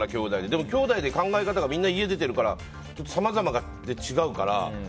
でも、きょうだいで考え方がみんな、家を出てるからさまざまで違うから。